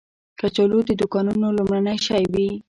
کچالو د دوکانونو لومړنی شی وي